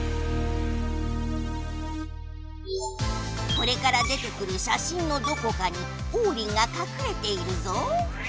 これから出てくる写真のどこかにオウリンがかくれているぞ。